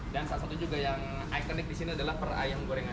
dan satu juga yang ikonik di sini adalah perayam gorengan